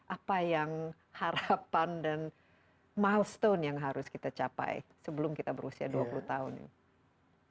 apa yang harapan dan milestone yang harus kita capai sebelum kita berusia dua puluh tahun ini